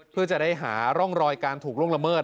เพื่อจะได้หาร่องรอยการถูกล่วงละเมิด